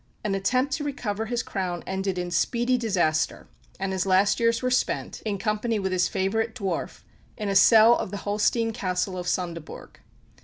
An attempt to recover his crown ended in speedy disaster, and his last years were spent, in company with his favourite dwarf, in a cell of the Holstein Castle of Sondeborg.